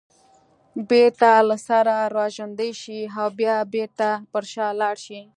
بېرته له سره راژوندي شي او بیا بېرته پر شا لاړ شي